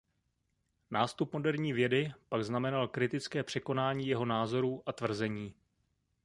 Nástup moderní vědy pak znamenal kritické překonání jeho názorů a tvrzení.